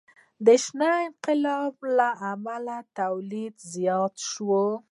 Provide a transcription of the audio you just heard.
د شنه انقلاب له امله تولید زیات شو.